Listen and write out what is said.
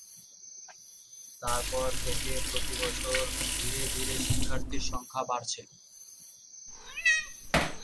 তার পর থেকে প্রতিবছর ধীরে ধীরে শিক্ষার্থীর সংখ্যা বাড়ছে।